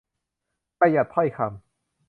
ประหยัดถ้อยคำ